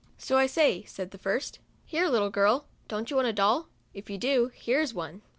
" So I say," said the first. " Here little girl, don't you want a doll 1 if you do, here is one."